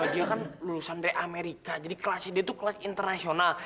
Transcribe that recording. dia kan lulusan dari amerika jadi kelasnya dia itu kelas internasional